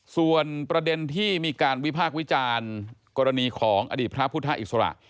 ส่วนประเด็นที่มีการวิพากษ์วิจารณ์กรณีของอดีตพระพุทธอิสระ